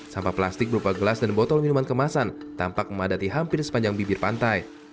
sampah plastik berupa gelas dan botol minuman kemasan tampak memadati hampir sepanjang bibir pantai